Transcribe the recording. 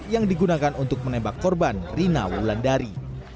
yang digunakan untuk menembak korban rina wulandari